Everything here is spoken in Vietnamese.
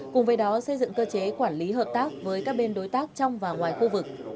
cùng với đó xây dựng cơ chế quản lý hợp tác với các bên đối tác trong và ngoài khu vực